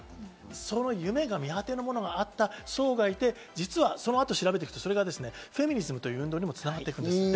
その見果てぬ夢があった層がいて、そのあと調べていくと、フェミニズムという運動にも繋がっていく。